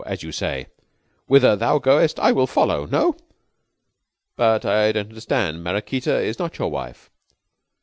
As you say, whither thou goes will I follow. No?" "But I don't understand. Maraquita is not your wife?"